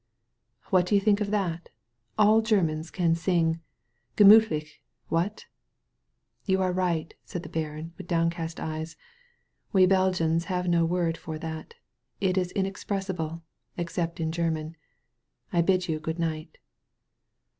"What do you think of that? All Grermans can sing. Gemiithlich. What?'* "You are right," said the baron, with downcast eyes. "We Belgians have no word for that. It is inexpressible — except in Grerman. I bid you good night."